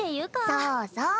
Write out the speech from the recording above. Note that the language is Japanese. そうそう。